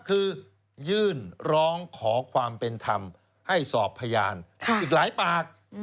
คือยื่นร้องขอความเป็นธรรมให้สอบพยานอีกหลายปาก